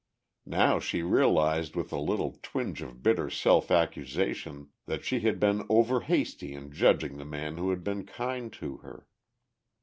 Now she realized with a little twinge of bitter self accusation that she had been over hasty in judging the man who had been kind to her.